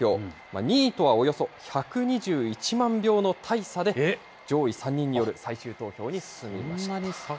２位とはおよそ１２１万票の大差で、上位３人による最終投票に進そんなに差が。